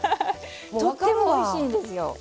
とてもおいしいんですよ。